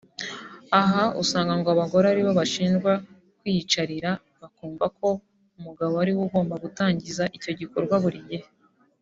Aha usanga ngo abagore aribo bashinjwa kwiyicarira bakumva ko umugabo ariwe ugomba gutangiza icyo gikorwa buri gihe